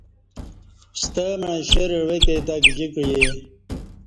ستمع شیرہ عوہ کے تہ گجیکعی